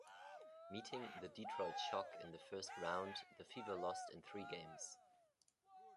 Meeting the Detroit Shock in the first round, the Fever lost in three games.